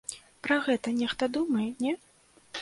Пра гэта нехта думае, не?